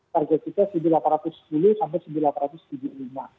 target kita seribu delapan ratus sepuluh sampai sembilan ratus tujuh puluh lima